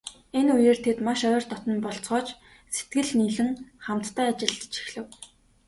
Энэ үеэс тэд маш ойр дотно болцгоож, сэтгэл нийлэн хамтдаа ажиллаж эхлэв.